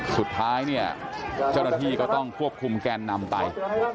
สุดท้ายเนี่ยเจ้าหน้าที่ก็ต้องควบคุมแกนนำไป